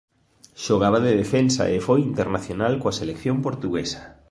Xogaba de defensa e foi internacional coa selección portuguesa.